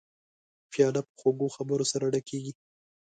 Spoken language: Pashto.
پیاله په خوږو خبرو سره ډکېږي.